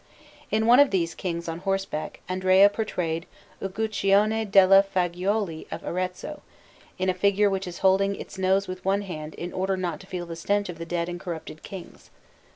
In one of these Kings on horseback Andrea portrayed Uguccione della Faggiuola of Arezzo, in a figure which is holding its nose with one hand in order not to feel the stench of the dead and corrupted Kings.